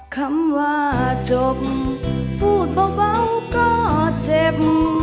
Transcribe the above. คำว่าจบพูดเบาก็เจ็บ